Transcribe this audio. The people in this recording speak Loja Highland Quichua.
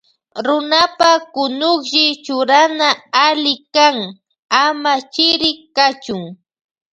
Runapa kunuklli churana alli kan ama chiri kachun.